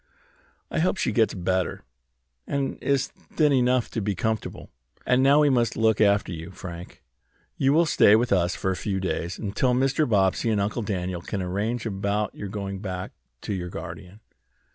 I hope she gets better, and is thin enough to be comfortable. And now we must look after you, Frank. You will stay with us a few days, until Mr. Bobbsey and Uncle Daniel can arrange about your going back to your guardian."